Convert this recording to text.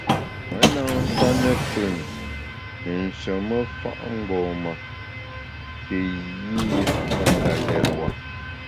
Me na mfa ne pùn ne nsheme fa’ mgbom-a te yi me ndalérewa.